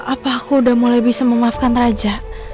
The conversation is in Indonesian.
apa aku udah mulai bisa memaafkan raja